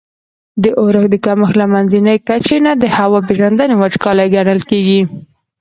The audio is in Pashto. د اورښتونو کمښت له منځني کچي نه د هوا پیژندني وچکالي ګڼل کیږي.